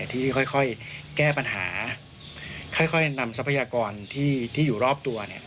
ที่ค่อยแก้ปัญหาค่อยนำทรัพยากรที่อยู่รอบตัวเนี่ย